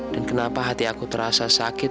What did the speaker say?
dan kenapa hati aku terasa sakit